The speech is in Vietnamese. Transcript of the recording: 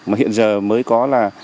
mà hiện giờ mới có là